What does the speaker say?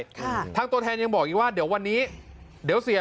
ค่ะทางตัวแทนยังบอกอีกว่าเดี๋ยววันนี้เดี๋ยวเสีย